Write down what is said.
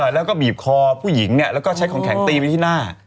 แล้วก็บีบคอผู้หญิงแล้วก็ใช้ของแข็งตีไปที่หน้า